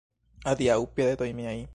Adiaŭ, piedetoj miaj!